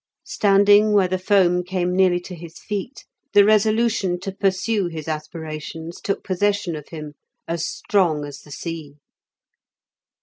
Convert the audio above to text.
Standing where the foam came nearly to his feet, the resolution to pursue his aspirations took possession of him as strong as the sea.